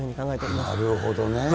なるほどね。